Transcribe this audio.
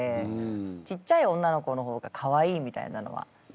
ちっちゃい女の子の方がかわいいみたいなのはあるじゃない。